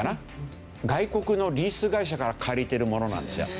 外国のリース会社から借りてるものなんですよ。